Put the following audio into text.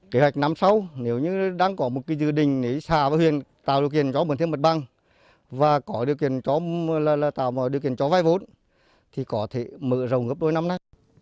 kế hoạch năm sau nếu như đang có một dự định xa với huyện tạo điều kiện cho mượn thêm mật băng và có điều kiện cho vai vốn thì có thể mượn rồng gấp đôi năm nay